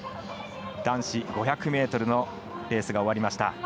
男子５００ｍのレースが終わりました。